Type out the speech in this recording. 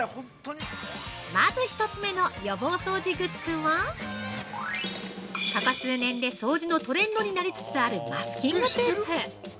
まず１つ目の予防掃除グッズはここ数年で掃除のトレンドになりつつあるマスキングテープ。